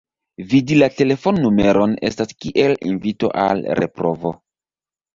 Vidi la telefonnumeron estas kiel invito al reprovo.